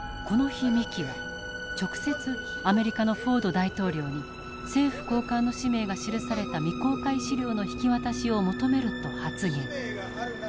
この日三木は直接アメリカのフォード大統領に政府高官の氏名が記された未公開資料の引き渡しを求めると発言。